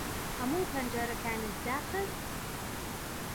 ھەموو پەنجەرەکانت داخست؟